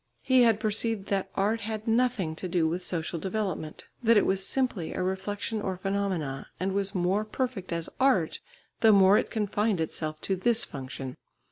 He had perceived that art had nothing to do with social development, that it was simply a reflection or phenomena, and was more perfect as art the more it confined itself to this function.